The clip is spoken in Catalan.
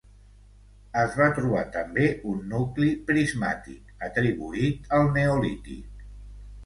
Es va trobar també un nucli prismàtic, atribuït al neolític.